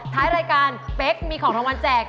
ท้ายรายการเป๊กมีของรางวัลแจก